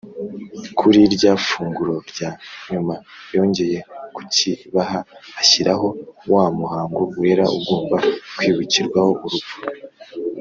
. Kuri rya funguro rya nyuma yongeye kukibaha, ashyiraho wa muhango wera ugomba kwibukirwaho urupfu rwe,